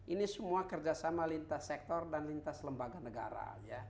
ini semua kerjasama lintas sektor dan lintas lembaga negara